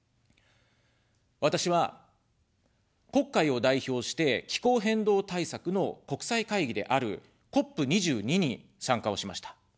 私は、国会を代表して、気候変動対策の国際会議であるＣＯＰ２２に参加をしました。